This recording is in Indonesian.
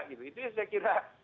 itu yang saya kira harus diperhatikan